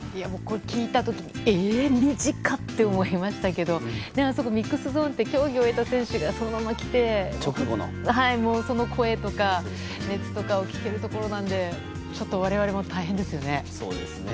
聞いた時にえー、短っ！って思いましたけどミックスゾーンって競技を終えた選手がそのまま来てその声とか熱とかを聞けるところなので我々も大変ですよね。